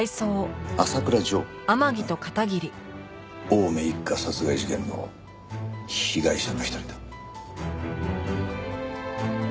青梅一家殺害事件の被害者の一人だ。